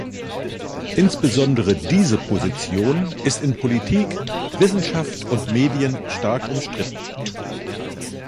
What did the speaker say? Insbesondere diese Position ist in Politik, Wissenschaft und Medien stark umstritten.